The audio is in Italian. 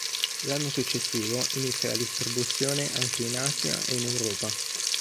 L'anno successivo inizia la distribuzione anche in Asia e in Europa.